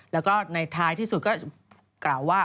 แล้วก็ในท้ายที่สุดก็กล่าวว่า